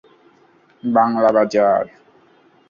বাংলা বাজার